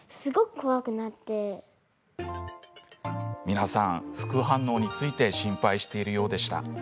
皆さん、副反応について心配しているようでした。